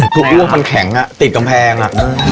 พรุ่งมันแข็งอะติดกำแพงอะ